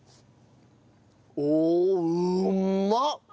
おおうまっ！